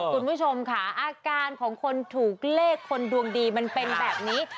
คุณผู้ชมค่ะอาการของคนถูกเลขคนดวงดีมันเป็นแบบนี้